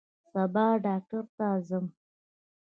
سبا ډاکټر ته ځم